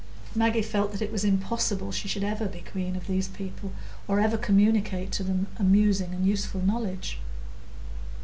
Maggie felt that it was impossible she should ever be queen of these people, or ever communicate to them amusing and useful knowledge.